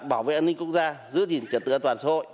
bảo vệ an ninh quốc gia giữ gìn trật tựa toàn xã hội